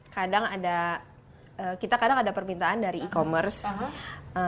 kadang ada kita kadang ada permintaan dari e commerce